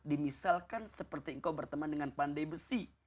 dimisalkan seperti engkau berteman dengan pandai besi